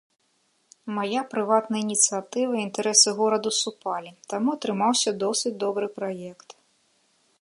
Мая прыватная ініцыятыва і інтарэсы гораду супалі, таму атрымаўся досыць добры праект.